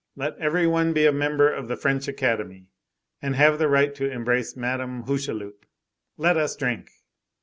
Let every one be a member of the French Academy and have the right to embrace Madame Hucheloup. Let us drink."